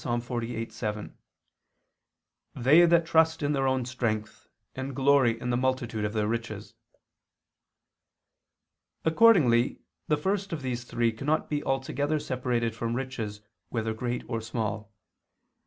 48:7, "They that trust in their own strength, and glory in the multitude of their riches." Accordingly the first of these three cannot be altogether separated from riches whether great or small.